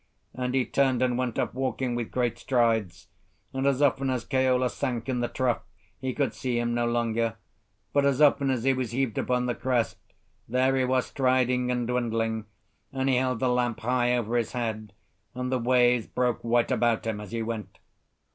And he turned and went off walking with great strides; and as often as Keola sank in the trough he could see him no longer; but as often as he was heaved upon the crest, there he was striding and dwindling, and he held the lamp high over his head, and the waves broke white about him as he went.